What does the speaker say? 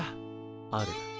ある。